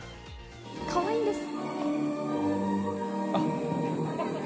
かわいいんです。